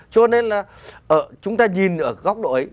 cho nên là chúng ta nhìn ở góc độ ấy